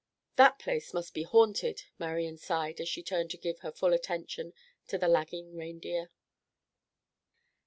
"That place must be haunted," Marian sighed as she turned to give her full attention to the lagging reindeer.